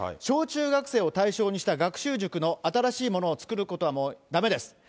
小中学生を対象にした学習塾の新しいものを作ることは、もうだめです。